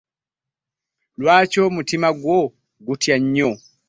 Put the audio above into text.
Lwaki omutima gwo gutya nnyo?